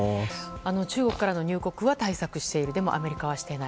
中国からの入国は対策しているでもアメリカはしていない。